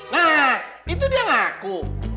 nah itu dia ngaku